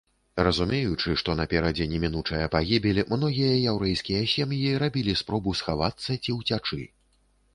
Разумеючы, што наперадзе немінучая пагібель, многія яўрэйскія сям'і рабілі спробу схавацца ці ўцячы.